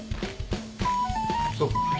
そう。